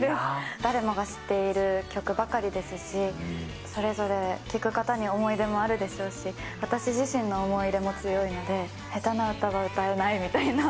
誰もが知っている曲ばかりですし、それぞれ聴く方に思い出もあるでしょうし、私自身の思い入れも強いので、下手な歌は歌えないみたいな。